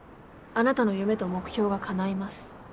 あなたの夢と目標がかないます。